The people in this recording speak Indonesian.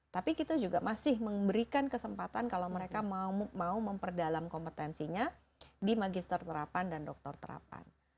tapi kita juga masih memberikan kesempatan kalau mereka mau memperdalam kompetensinya di magister terapan dan dokter terapan